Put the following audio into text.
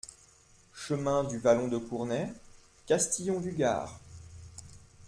Chemin du Vallon de Cournet, Castillon-du-Gard